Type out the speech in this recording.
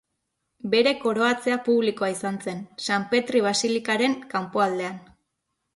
Bere koroatzea publikoa izan zen, San Petri basilikaren kanpoaldean.